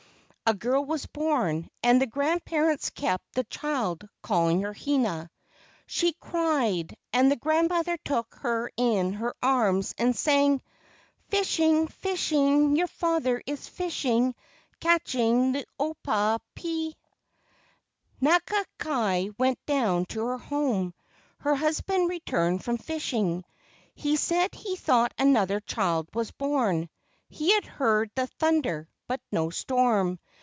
A girl was born, and the grandparents kept the child, calling her Hina. She cried, and the grand¬ mother took her in her arms and sang: "Fishing, fishing, your father is fishing, Catching the opoa pea." Nakula kai went down to her home. Her hus¬ band returned from fishing. He said he thought another child was born. He had heard the thunder, but no storm.